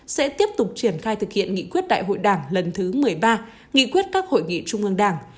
sẽ tiếp tục triển khai thực hiện nghị quyết đại hội đảng lần thứ một mươi ba nghị quyết các hội nghị trung ương đảng